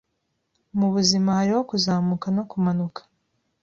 Mubuzima hariho kuzamuka no kumanuka.